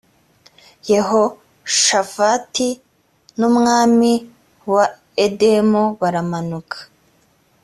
yehoshafati n’umwami wa edomu baramanuka